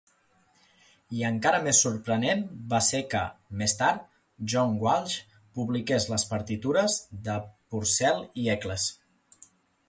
I encara més sorprenent va ser que, més tard, John Walsh publiqués les partitures de Purcell i Eccles.